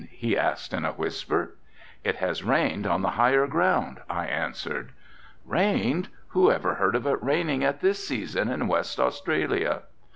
he asked in a whisper. "It has rained on the higher ground," I answered. "Rained! Who ever heard of it raining at this season in West Australia?"